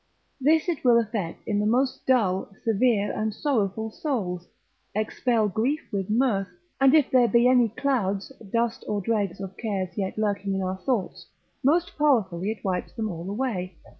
This it will effect in the most dull, severe and sorrowful souls, expel grief with mirth, and if there be any clouds, dust, or dregs of cares yet lurking in our thoughts, most powerfully it wipes them all away, Salisbur.